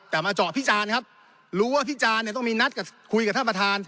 แต่มาเจาะพิจารณ์ครับรู้ว่าพิจารณเนี่ยต้องมีนัดคุยกับท่านประธาน